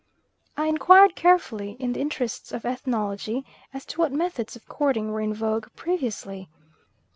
I inquired carefully, in the interests of ethnology, as to what methods of courting were in vogue previously.